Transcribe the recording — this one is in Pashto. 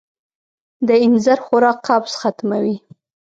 د اینځر خوراک قبض ختموي.